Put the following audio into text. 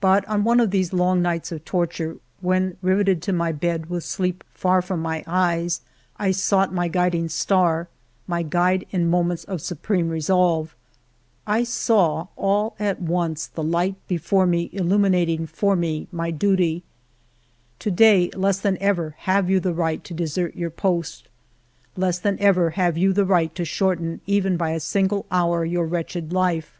But on one of these long nights of torture, when riveted to my bed with sleep far from my eyes, I sought my guiding star, my guide in mo ments of supreme resolve ; I saw all at once the light before me illuminating for me my duty :" To day less than ever have you the right to desert your post, less than ever have you the right to shorten even by a single hour your wretched life.